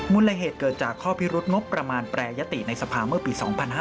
ลเหตุเกิดจากข้อพิรุษงบประมาณแปรยติในสภาเมื่อปี๒๕๕๙